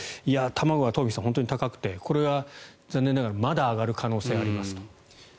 東輝さん、卵は高くてこれは残念ながらまだ上がる可能性がありますと。